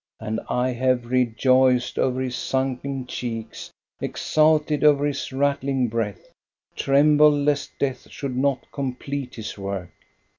And I have rejoiced over his sunken cheeks, exulted over his rattling breath, trembled lest Death should not complete his work."